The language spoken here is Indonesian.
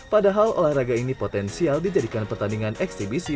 padahal olahraga ini potensial dijadikan pertandingan eksibisi